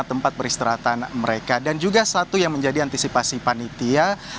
tempat peristirahatan mereka dan juga satu yang menjadi antisipasi panitia